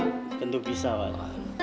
bagi kentuk kisah pak